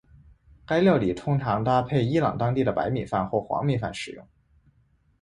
该料理通常搭配伊朗当地的白米饭或黄米饭食用。